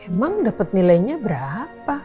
emang dapat nilainya berapa